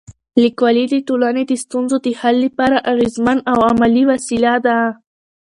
لیکوالی د ټولنې د ستونزو د حل لپاره اغېزمن او عملي وسیله ده.